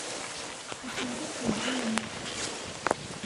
Asaḍuf iban.